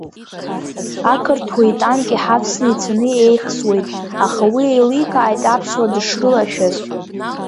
Ақырҭуа итанк иҳавсны ицаны еихсуеит, аха уи еиликааит аԥсуаа дышрылашәаз.